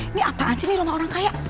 ini apaan sih ini rumah orang kaya